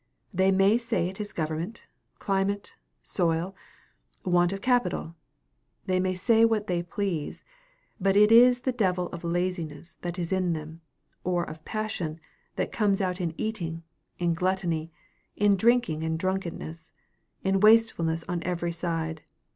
They may say it is government, climate, soil, want of capital, they may say what they please, but it is the devil of laziness that is in them, or of passion, that comes out in eating, in gluttony, in drinking and drunkenness, in wastefulness on every side.